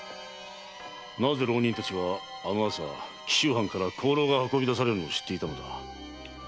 なぜ浪人たちはあの朝紀州藩から香炉が運び出されるのを知っていたのだ？